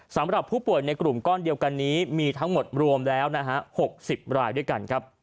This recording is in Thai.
สำหรับผู้ป่วยในกลุ่มก้อนเดียวกันนี้มีทั้งหมดรวมแล้วนะฮะ๖๐รายด้วยกันครับ